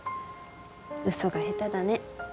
ウソが下手だね。